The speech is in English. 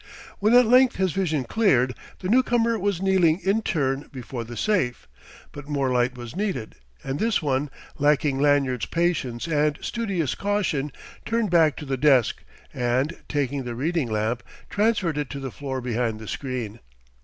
When at length his vision cleared, the newcomer was kneeling in turn before the safe; but more light was needed, and this one, lacking Lanyard's patience and studious caution, turned back to the desk, and, taking the reading lamp, transferred it to the floor behind the screen.